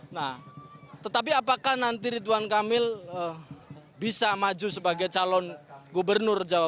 nah tetapi apakah nanti ridwan kamil bisa maju sebagai calon gubernur